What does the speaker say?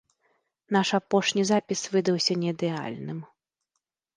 Наш апошні запіс выдаўся не ідэальным.